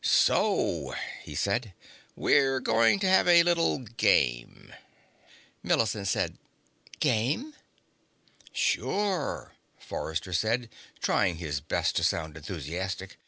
"So," he said, "we're going to have a little game." Millicent said: "Game?" "Sure," Forrester said, trying his best to sound enthusiastic.